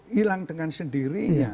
hilang dengan sendirinya